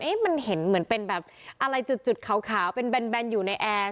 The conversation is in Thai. มันเห็นเหมือนเป็นแบบอะไรจุดขาวเป็นแบนอยู่ในแอร์